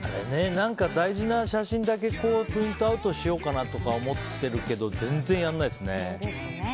何か大事な写真だけプリントアウトしようかなとか思ってるけど全然やらないですね。